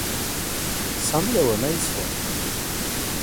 سم ليونى سوم.